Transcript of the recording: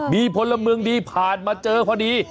มีพลเมืองดีผ่านมาเจอพอดี